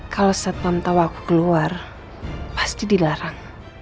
kalau setelah tahu aku keluar pasti dilarang